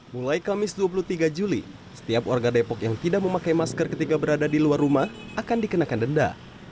mulai kamis dua puluh tiga juli setiap warga depok yang tidak memakai masker ketika berada di luar rumah akan dikenakan denda